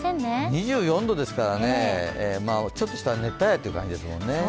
２４度ですからね、ちょっとしたら熱帯夜って感じですよね。